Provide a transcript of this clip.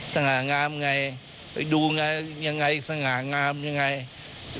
ง่างามไงไปดูไงยังไงสง่างามยังไง